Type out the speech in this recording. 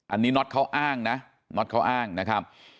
อันนี้น็อตเขาอ้างนะน็อตเขาอ้างนะครับ